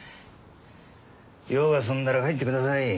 用が済んだら帰ってください。